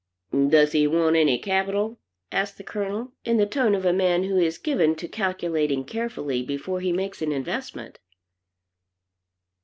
"Does he want any capital?", asked the Colonel, in the tone of a man who is given to calculating carefully before he makes an investment.